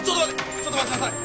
ちょっと待ちなさい。